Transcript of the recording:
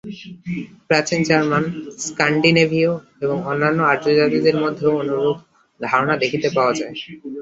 প্রাচীন জার্মান, স্কাণ্ডিনেভীয় এবং অন্যান্য আর্যজাতিদের মধ্যেও অনুরূপ ধারণা দেখিতে পাওয়া যায়।